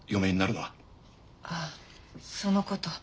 ああそのこと。